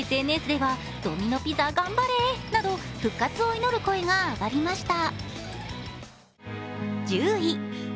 ＳＮＳではドミノ・ピザ頑張れ、など復活を祈る声が上がりました。